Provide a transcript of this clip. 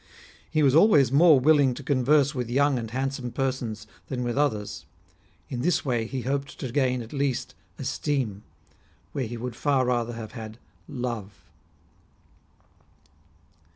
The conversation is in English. He was always more willing to converse with young and handsome persons than with others ; in this way he hoped to gain at least esteem, where he would far rather have had love."